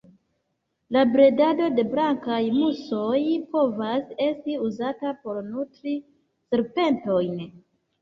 La bredado de blankaj musoj povas esti uzata por nutri serpentojn.